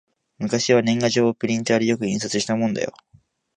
昔は年賀状をプリンターでよく印刷したもんだよ